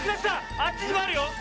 あっちにもあるよ！